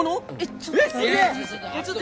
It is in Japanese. ちょっと。